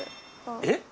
えっ？